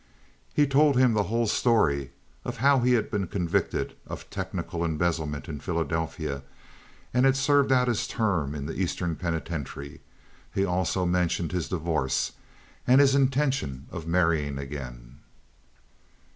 He told him the whole story of how he had been convicted of technical embezzlement in Philadelphia and had served out his term in the Eastern Penitentiary. He also mentioned his divorce and his intention of marrying again.